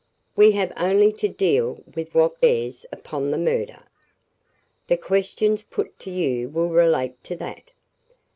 "We have only to deal with what bears upon the murder. The questions put to you will relate to that."